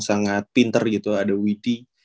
sangat pinter gitu ada witi